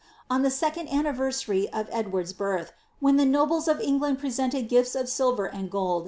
On the second anniversary of Edward^s birth, when the nobles of England presented gifts of silver and f^4d.